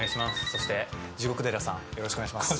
そして、地獄寺さんよろしくお願いします。